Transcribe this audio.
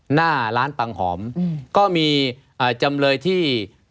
หน้าร้านปังหอมก็มีจำเลยที่